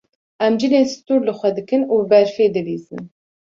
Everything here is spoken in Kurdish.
Em cilên stûr li xwe dikin û bi berfê dilîzin.